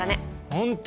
本当！